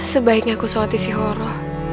sebaiknya aku solati si horo